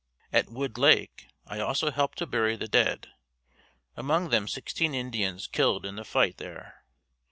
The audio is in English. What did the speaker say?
At Wood Lake, I also helped to bury the dead, among them sixteen Indians killed in the fight there.